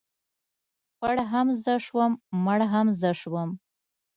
ـ پړ هم زه شوم مړ هم زه شوم.